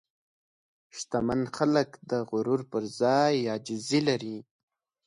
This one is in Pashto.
شتمن خلک د غرور پر ځای عاجزي لري.